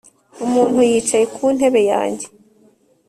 Umuntu yicaye ku ntebe yanjye